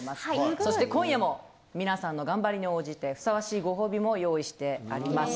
そして今夜も皆さんの頑張りに応じてふさわしいご褒美も用意してあります。